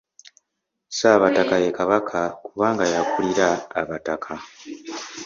Ssaabataka ye Kabaka kubanga y’akulira abataka.